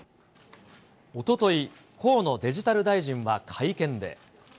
おととい、河野デジタル大臣は会見で。